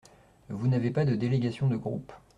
Vous n’avez pas de délégation de groupe.